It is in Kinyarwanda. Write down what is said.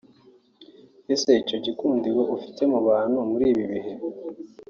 Ese icyo gikundiro ufite mu bantu muri ibi bihe